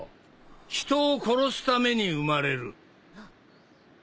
人を殺すために生まれる